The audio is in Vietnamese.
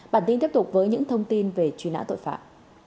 bản tin tiếp tục với những thông tin về truy nã tội phạm